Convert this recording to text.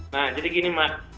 nah jadi gini mak